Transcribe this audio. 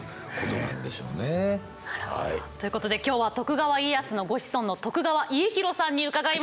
なるほど。ということで今日は徳川家康のご子孫の徳川家広さんに伺いました。